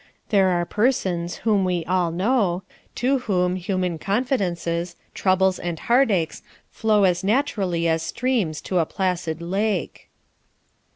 There are persons, whom we all know, to whom human confidences, troubles and heart aches flow as naturally as streams to a placid lake.